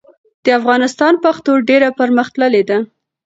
د افغانستان پښتو ډېره پرمختللې ده.